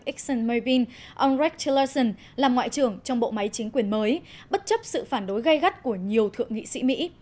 exxonmobil ông rex tillerson làm ngoại trưởng trong bộ máy chính quyền mới bất chấp sự phản đối gây gắt của nhiều thượng nghị sĩ mỹ